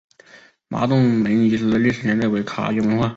麻洞门遗址的历史年代为卡约文化。